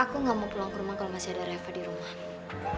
aku nggak mau pulang ke rumah kalau masih ada revo di rumah